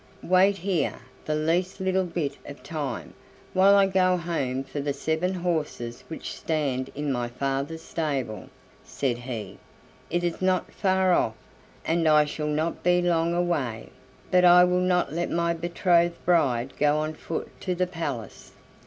"Wait here the least little bit of time, while I go home for the seven horses which stand in my father's stable," said he; "it is not far off, and I shall not be long away, but I will not let my betrothed bride go on foot to the palace."